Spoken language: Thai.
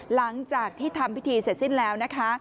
หลังจากที่ทำพิธีเสร็จสิ้นแล้วนะคะ